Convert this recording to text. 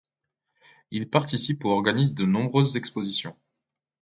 Il participe ou organise de nombreuses expositions.